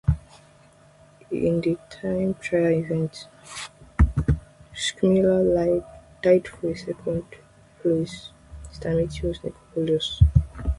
In the time trial event, Schmal tied for second place Stamatios Nikolopoulos.